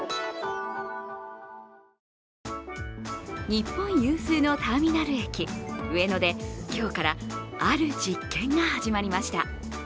日本有数のターミナル駅、上野で今日からある実験が始まりました。